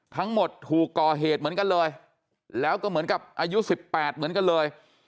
ทั้งหมดถูกก่อเหตุเหมือนกันเลยแล้วก็เหมือนกับอายุ๑๘เหมือนกันเลย